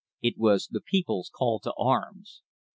It was the people's call to arms.